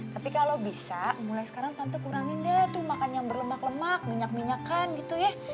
tapi kalau bisa mulai sekarang tante kurangin deh tuh makan yang berlemak lemak minyak minyak kan gitu ya